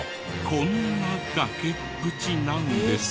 こんな崖っぷちなんです。